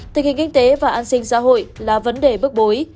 tình hình kinh tế và an sinh xã hội là vấn đề bức bối